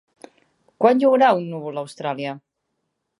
Quan hi haurà un núvol a Austràlia?